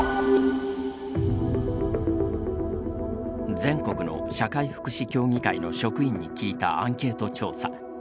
全国の社会福祉協議会の職員に聞いたアンケー卜調査。